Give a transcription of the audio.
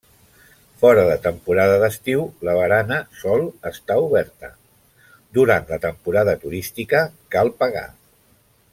Fora de temporada d’estiu la barana sol estar oberta, durant la temporada turística cal pagar.